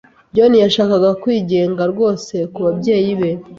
John yashakaga kwigenga rwose kubabyeyi be.